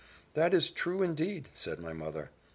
"That is true, indeed!" said my mother.